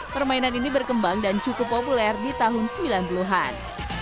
permainan ini berkembang dan cukup populer di tahun sembilan puluh an